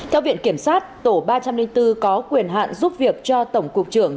theo viện kiểm sát tổ ba trăm linh bốn có quyền hạn giúp việc cho tổng cục trưởng